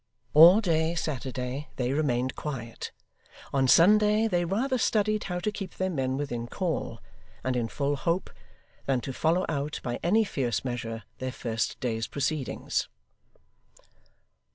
All day, Saturday, they remained quiet. On Sunday, they rather studied how to keep their men within call, and in full hope, than to follow out, by any fierce measure, their first day's proceedings.